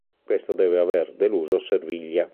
Questo deve aver deluso Servilia.